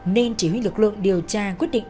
nên chỉ huy lực lượng điều tra quyết định